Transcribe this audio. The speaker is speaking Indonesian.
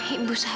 ibu sabar ya